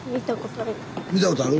見たことある？